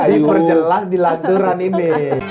diperjelas di aturan ini